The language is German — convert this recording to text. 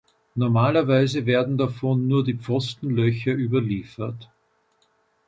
Normalerweise werden davon nur die Pfostenlöcher überliefert.